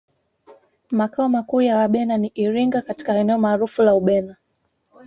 Makao makuu ya Wabena ni Iringa katika eneo maarufu la Ubena